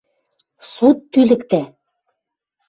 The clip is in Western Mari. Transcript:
– Суд тӱлӹктӓ!